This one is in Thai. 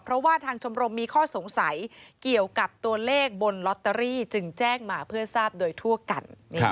เพราะว่าทางชมรมมีข้อสงสัยเกี่ยวกับตัวเลขบนลอตเตอรี่จึงแจ้งมาเพื่อทราบโดยทั่วกัน